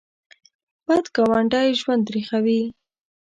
بد ګاونډی ژوند تریخوي